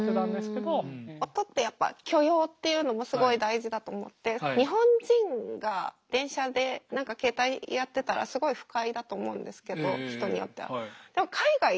音ってやっぱ許容っていうのもすごい大事だと思って日本人が電車で何か携帯やってたらすごい不快だと思うんですけど人によっては。